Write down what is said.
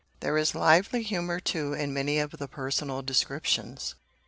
'" There is lively humour, too, in many of the personal descriptions.